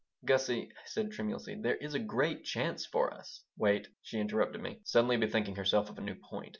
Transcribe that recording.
"Gussie " I said, tremulously, "there is a great chance for us " "Wait," she interrupted me, suddenly bethinking herself of a new point.